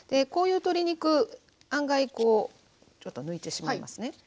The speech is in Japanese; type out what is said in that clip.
こういう鶏肉案外こうちょっと抜いてしまいますね。